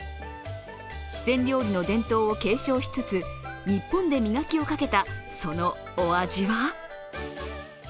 四川料理の伝統を継承しつつ日本で磨きをかけた、そのお味は？